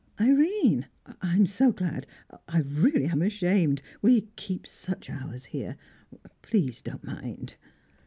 "Irene I am so glad I really am ashamed we keep such hours here please don't mind!"